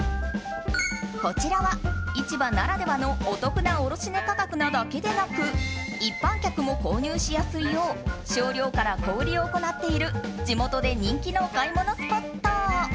こちらは市場ならではのお得な卸値価格なだけでなく一般客も購入しやすいよう少量から小売りを行っている地元で人気のお買い物スポット。